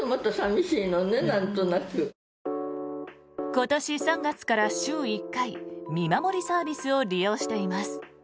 今年３月から週１回見守りサービスを利用しています。